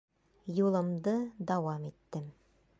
Юлымды дауам иттем.